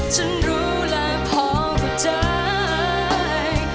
ฉันรู้แล้วพอก็ได้